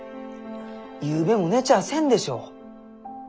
ゆうべも寝ちゃあせんでしょ？